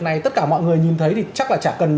này tất cả mọi người nhìn thấy thì chắc là chả cần